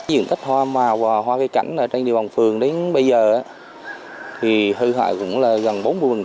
diện tích hoa màu và hoa cây cảnh trên địa bàn phường đến bây giờ thì hư hại cũng là gần bốn mươi